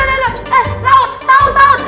eh sahur sahur sahur